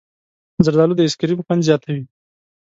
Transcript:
زردالو د ایسکریم خوند زیاتوي.